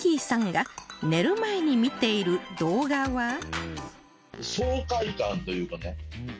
さんが寝る前に見ている動画は